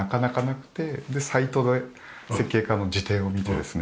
でサイトで設計家の自邸を見てですね